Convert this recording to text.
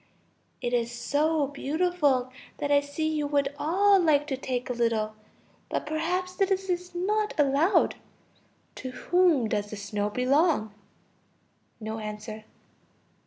It is so beautiful that I see you would all like to take a little. But perhaps this is not allowed. To whom does the snow belong? (No answer.)